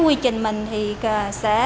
quy trình mình sẽ